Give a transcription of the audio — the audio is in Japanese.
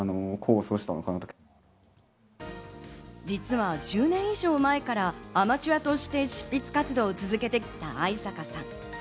実は１０年以上前からアマチュアとして執筆活動を続けてきた逢坂さん。